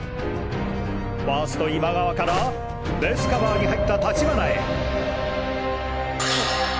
ファースト今川からベースカバーに入った立花へ！